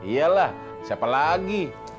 iya lah siapa lagi